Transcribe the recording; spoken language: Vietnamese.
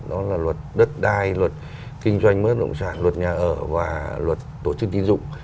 đó là luật đất đai luật kinh doanh bất động sản luật nhà ở và luật tổ chức tín dụng